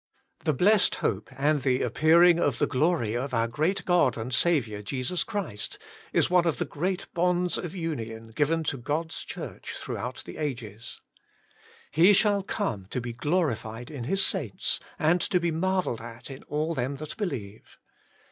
' The blessed hope and the appearing of the glory of our great God and Saviour Jesus Christ,' is one of the great bonds of union given to God's Church throughout the ages. ' He shall come to be glorified in His saints, and to be marvelled at in all them that believe.'